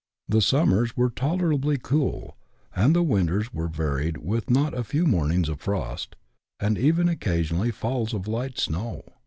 The summers were tolerably cool, and the winters were varied with not a few mornings of frost, and even occasional falls of light snow.